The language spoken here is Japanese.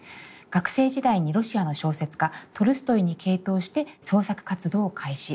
学生時代にロシアの小説家トルストイに傾倒して創作活動を開始。